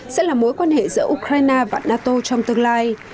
sẽ là mối quan hệ giữa ukraine và nato trong tương lai